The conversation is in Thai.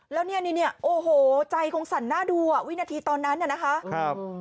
แล้วเนี่ยโอ้โหใจคงสั่นหน้าดูอ่ะวินาทีตอนนั้นน่ะนะคะครับ